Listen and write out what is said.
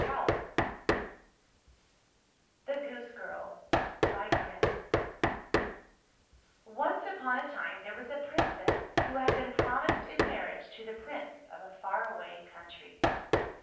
[1241 THE GOOSE GIRL O N CE upon a time there was a Princess who had been promised in marriage to the Prince of a far away country.